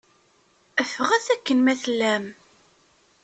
Ffɣet akken ma tellam.